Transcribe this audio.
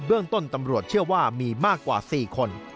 เรื่องต้นตำรวจเชื่อว่ามีมากกว่า๔คน